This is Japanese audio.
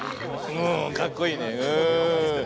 うんかっこいいねうん。